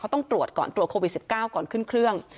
ต้องตรวจก่อนตรวจโควิด๑๙ก่อนขึ้นเครื่อง